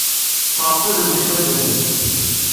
Ttɛeḍḍilent akken ad d-asent.